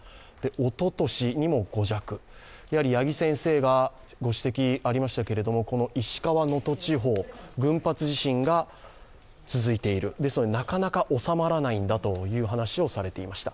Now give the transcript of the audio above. おととしにも５弱、やはり八木先生がご指摘ありましたけれども、石川・能登地方群発地震が続いている、ですので、なかなか収まらないんだという話をされていました。